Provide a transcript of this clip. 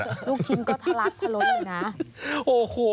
ลูกชิมก็ทะลักทะลนเลยนะ